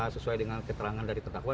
sesuai dengan keterangan dari terdakwa